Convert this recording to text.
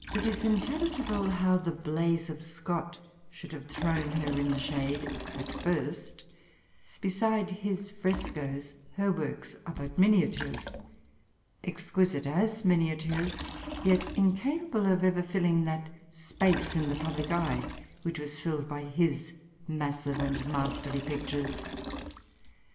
It is intelligible how the bhize of Scott should have thrown her into^the shade, at first ; beside his frescoes her works are but miniatures; ex quisite as miniatures, yet ioo&pable of ever filtmg that space in th^^ublic eye which was flllea by his kassive and masterly pictures.